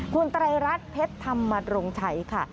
คุณไตรรัฐเพชรธรรมรงชัยค่ะ